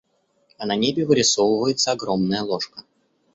А на небе вырисовывается огромная ложка.